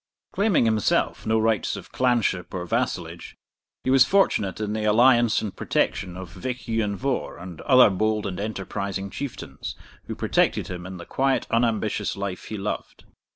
Claiming himself no rights of clanship or vassalage, he was fortunate in the alliance and protection of Vich Ian Vohr and other bold and enterprising Chieftains, who protected him in the quiet unambitious life he loved.